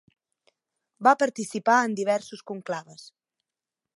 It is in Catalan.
Va participar en diversos conclaves.